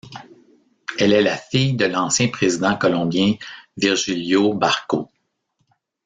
Elle est la fille de l'ancien président colombien Virgilio Barco.